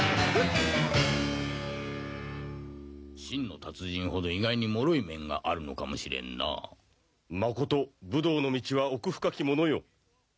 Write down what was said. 真の達人ほど意外にもろい面があるのかもしれんなまこと武道の道は奥深きものよ